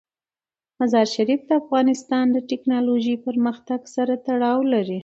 مزارشریف د افغانستان د تکنالوژۍ پرمختګ سره تړاو لري.